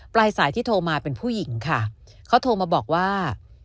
ปลายสายที่โทรมาเป็นผู้หญิงค่ะเขาโทรมาบอกว่า